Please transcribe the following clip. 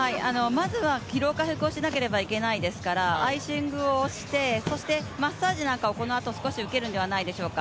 まずは疲労回復をしなきゃいけないですから、アイシングをして、そしてマッサージなどをこのあと少し受けるんじゃないでしょうか。